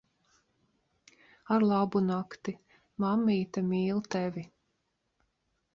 Arlabunakti. Mammīte mīl tevi.